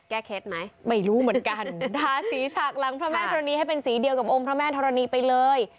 เคล็ดไหมไม่รู้เหมือนกันทาสีฉากหลังพระแม่ธรณีให้เป็นสีเดียวกับองค์พระแม่ธรณีไปเลย